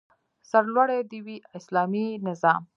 سرلوړی دې وي اسلامي نظام؟